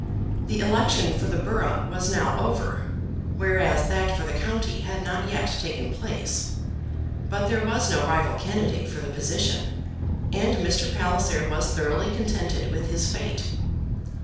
The election for the borough was now over, whereas that for the county had not yet taken place. But there was no rival candidate for the position, and Mr. Palliser was thoroughly contented with his fate.